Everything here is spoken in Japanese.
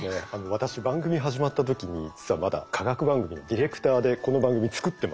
私番組始まった時に実はまだ科学番組のディレクターでこの番組作ってました。